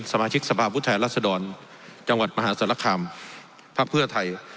สมาชิกสภาพวุทธแหลศดรจังหวัดมหาสรรคามภพเพื่อไทย